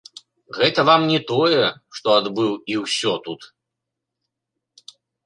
Гэта вам не тое, што адбыў і ўсё тут.